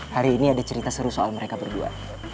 hari ini ada cerita seru soal mereka berdua